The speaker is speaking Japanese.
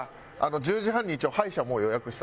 １０時半に一応歯医者もう予約した。